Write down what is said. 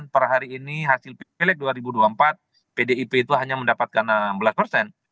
per hari ini hasil pilih dua ribu dua puluh empat pdip itu hanya mendapatkan enam belas persen